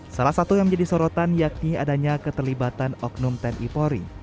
salah satu yang menjadi sorotan yakni adanya keterlibatan oknum tni polri